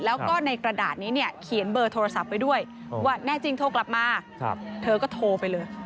แล้วก็ในกระดาษนี้เนี่ยเขียนเบอร์โทรศัพท์ไว้ด้วยว่าแน่จริงโทรกลับมาเธอก็โทรไปเลย